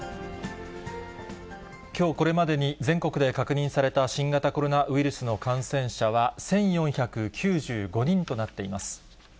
きょうこれまでに全国で確認された新型コロナウイルスの感染者は、１４９５人となっています。